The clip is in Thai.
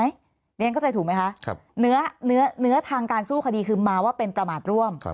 เรียนเข้าใจถูกไหมคะเนื้อทางการสู้คดีคือมาว่าเป็นประมาทร่วม